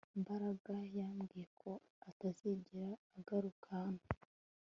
Mbaraga yambwiye ko atazigera agaruka hano